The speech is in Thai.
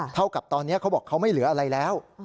เท่ากับตอนนี้เขาบอกเขาไม่เหลืออะไรแล้ว